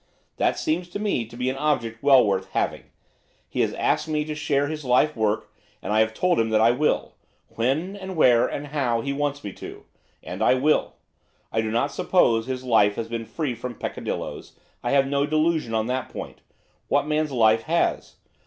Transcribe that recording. That seems to me to be an object well worth having. He has asked me to share his life work, and I have told him that I will; when, and where, and how, he wants me to. And I will. I do not suppose his life has been free from peccadilloes. I have no delusion on the point. What man's life has?